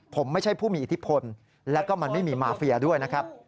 ผมไม่ใช่ผู้มีอิทธิพลแล้วก็มันไม่มีมาเฟียด้วยนะครับ